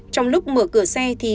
trong lúc mở cửa xe thì